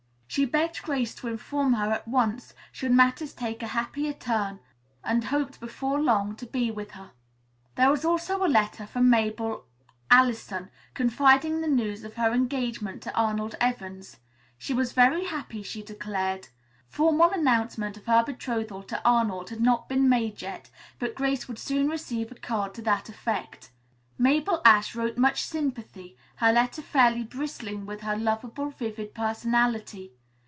She begged Grace to inform her at once should matters take a happier turn and hoped before long to be with her. There was also a letter from Mabel Allison confiding the news of her engagement to Arnold Evans. She was very happy, she declared. Formal announcement of her betrothal to Arnold had not yet been made, but Grace would soon receive a card to that effect. Mabel Ashe wrote much sympathy, her letter fairly bristling with her lovable, vivid personality.